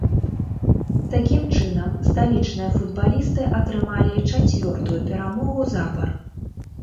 Такім чынам, сталічныя футбалісты атрымалі чацвёртую перамогу запар.